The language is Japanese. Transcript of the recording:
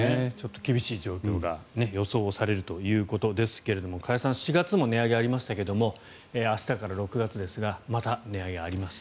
厳しい状況が予想されるということですが加谷さん４月も値上げがありましたが明日から６月ですが値上げと。